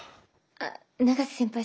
あっ永瀬先輩